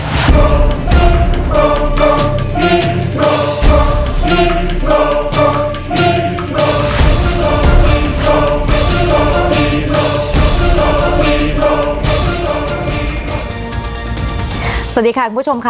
สวัสดีค่ะคุณผู้ชมค่ะ